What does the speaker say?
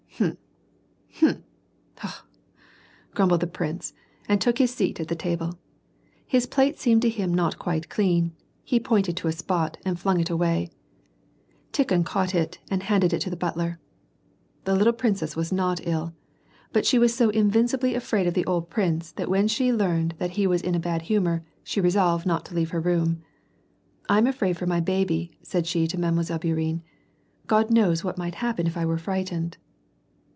1* Hm ! Hm ! kh ! kh !" grumbled the prince, and took his seat at the table. His plate seemed to him not quite clean ; he pointed to a spot, and fliing it away. Tikhon caught it and handed it to the butler. The little princess was not ill, but she was so invincibly afraid of the old prince that when she learned that he was in a bad humor she resolved not to leave her room. " I am afraid for my baby," said she to Mile. Bourienne ;" God knows what might happen if I were frightened."